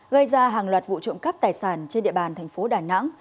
gây ra hàng loạt vụ trộm cắp tài sản trên địa bàn thành phố đà nẵng